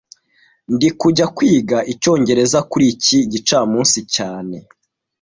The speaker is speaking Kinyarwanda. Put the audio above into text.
Ndikujya kwiga icyongereza kuri iki gicamunsi cyane